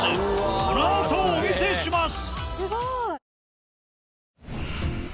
このあとお見せします！